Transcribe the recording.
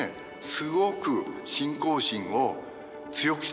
すごく信仰心を強くしてくれます。